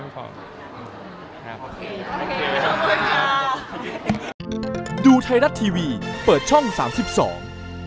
ขอบคุณครับสิบสอง